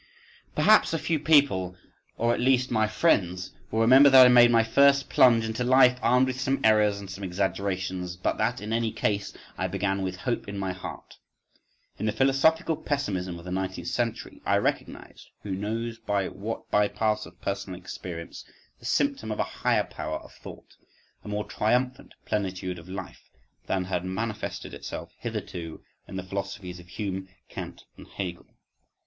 Perhaps a few people, or at least my friends, will remember that I made my first plunge into life armed with some errors and some exaggerations, but that, in any case, I began with hope in my heart. In the philosophical pessimism of the nineteenth century, I recognised—who knows by what by paths of personal experience—the symptom of a higher power of thought, a more triumphant plenitude of life, than had manifested itself hitherto in the philosophies of Hume, Kant and Hegel!